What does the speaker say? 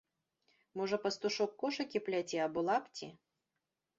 Можа пастушок кошыкі пляце або лапці?